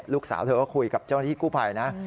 ลูกสาวเธอก็คุยกับเจ้าหน้าที่กู้ภัยนะ